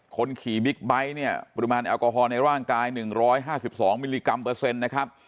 คนขี่บิ๊กไบท์เนี่ยปริมาณแอลกอฮอลในร่างกาย๑๕๒มิลลิกรัมเปอร์เซ็นต์นะครับ